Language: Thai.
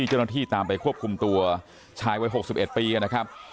เจ้าหน้าที่ตามไปควบคุมตัวชายวัย๖๑ปีนะครับ